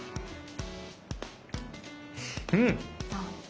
うん。